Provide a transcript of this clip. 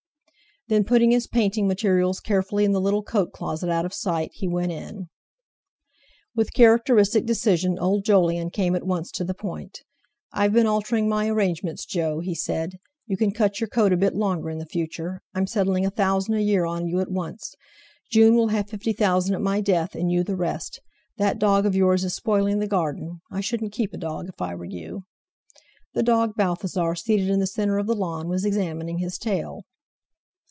Then putting his painting materials carefully in the little coat closet out of sight, he went in. With characteristic decision old Jolyon came at once to the point. "I've been altering my arrangements, Jo," he said. "You can cut your coat a bit longer in the future—I'm settling a thousand a year on you at once. June will have fifty thousand at my death; and you the rest. That dog of yours is spoiling the garden. I shouldn't keep a dog, if I were you!" The dog Balthasar, seated in the centre of the lawn, was examining his tail.